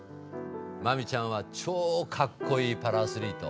真海ちゃんは超かっこいいパラアスリート。